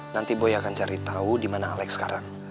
nanti boy akan cari tau dimana alex sekarang